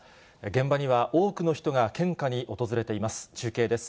現場には多くの人が献花に訪れています。